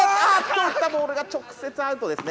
打ったボールがボールが直接アウトですね。